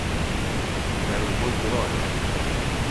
Pero moito doe.